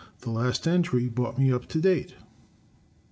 The last entry brought me up to date.